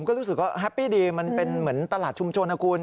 ก็รู้สึกว่าแฮปปี้ดีมันเป็นเหมือนตลาดชุมชนนะคุณ